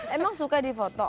emang suka di foto